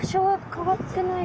変わってないです。